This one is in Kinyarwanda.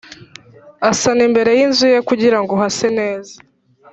asana imbere y’inzu ye kugirango hase neza